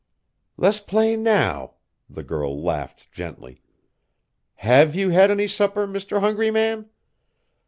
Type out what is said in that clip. '" "Let's play now!" The girl laughed gently. "Have you had any supper, Mr. Hungry Man?